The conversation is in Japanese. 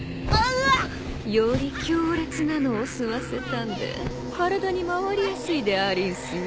より強烈なのを吸わせたんで体に回りやすいでありんすよ。